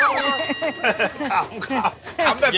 คำเลยคำ